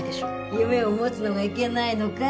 夢を持つのがいけないのかい？